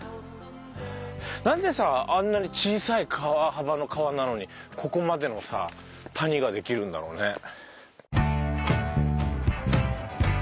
なんでさあんなに小さい川幅の川なのにここまでのさ谷ができるんだろうね。